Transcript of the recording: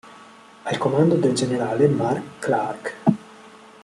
Al comando del generale Mark Clark.